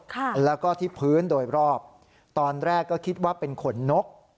ค่ะแล้วก็ที่พื้นโดยรอบตอนแรกก็คิดว่าเป็นขนนก